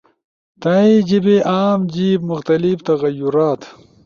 تھأئی جیِبے، عام جیِب/ مختلف تغیرات